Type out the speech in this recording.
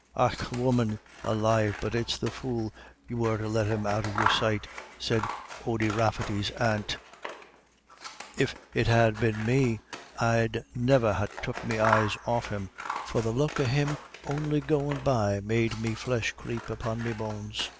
"Och, woman alive, but it's the fool you were to let him out of your sight," said Ody Rafferty's aunt. "If it had been me, I'd niver ha' took me eyes off him, for the look of him on'y goin' by made me flesh creep upon me bones."